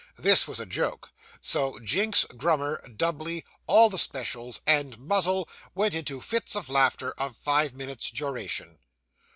This was a joke; so Jinks, Grummer, Dubbley, all the specials, and Muzzle, went into fits of laughter of five minutes' duration.